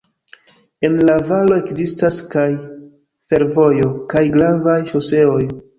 En la valo ekzistas kaj fervojo kaj gravaj ŝoseoj.